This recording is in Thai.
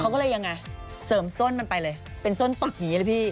เขาก็เลยยังไงเสริมส้นมันไปเลยเป็นส้นตบอย่างนี้เลยพี่